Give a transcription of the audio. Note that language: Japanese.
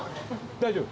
大丈夫。